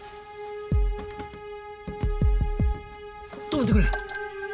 止めてくれ！